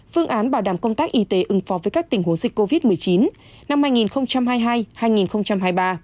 phương án bảo đảm công tác y tế ứng phó với các tình huống dịch covid một mươi chín năm hai nghìn hai mươi hai hai nghìn hai mươi ba